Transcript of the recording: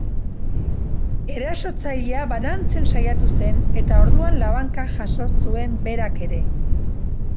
Erasotzailea banantzen saiatu zen, eta orduan labanka jaso zuen berak ere.